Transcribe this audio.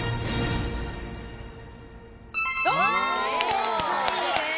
正解です。